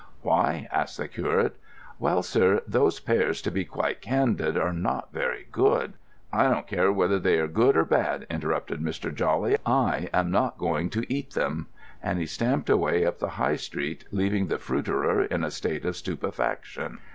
"Why?" asked the curate. "Well, sir, those pears, to be quite candid, are not very good——" "I don't care whether they are good or bad," interrupted Mr. Jawley. "I am not going to eat them," and he stamped away up the High Street, leaving the fruiterer in a state of stupefaction.